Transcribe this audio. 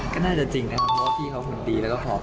ก็น่าจะจริงนะครับเพราะว่าพี่เขาหุ่นดีแล้วก็ผอม